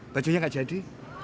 baconya gak jadi